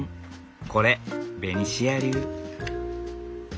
これベニシア流。